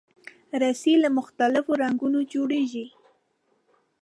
رسۍ له مختلفو رنګونو جوړېږي.